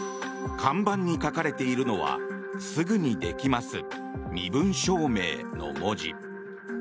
看板に書かれているのは「すぐにできます、身分証明」の文字。